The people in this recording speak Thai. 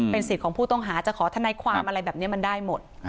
สิทธิ์ของผู้ต้องหาจะขอทนายความอะไรแบบนี้มันได้หมด